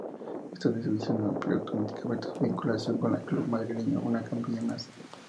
Esta decisión amplió automáticamente su vinculación con el club madrileño una campaña más.